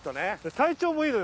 体調もいいのよ